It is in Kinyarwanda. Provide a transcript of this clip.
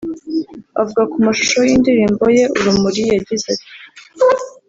Avuga ku mashusho y'indirimbo ye 'Urumuri' yagize ati